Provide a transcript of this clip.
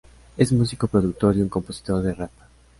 Es músico, productor y un compositor de rap.